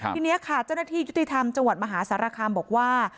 ทีนี้ค่ะเจ้าหน้าที่ยุติธรรมจังหวัดมหาสารคามบอกว่า